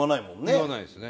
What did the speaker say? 言わないですね。